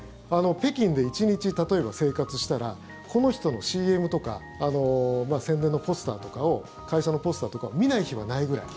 北京で１日、例えば生活したらこの人のＣＭとか宣伝のポスターとかを会社のポスターとかを見ない日はないくらい。